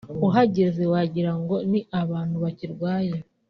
uhageze wagira ngo ni abantu bakirwaye